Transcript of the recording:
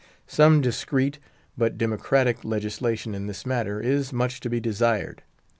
Some discreet, but democratic, legislation in this matter is much to be desired.